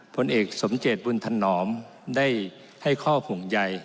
พลเอกสมเจษฐ์บุญทนอมได้ให้ข้อผงใหญ่